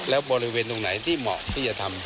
แล้วบริเวณตรงไหนที่เหมาะที่จะทำ